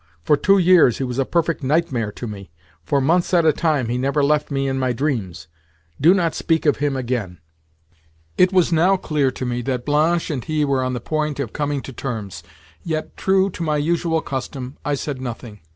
For two years he was a perfect nightmare to me. For months at a time he never left me in my dreams. Do not speak of him again." It was now clear to me that Blanche and he were on the point of coming to terms; yet, true to my usual custom, I said nothing.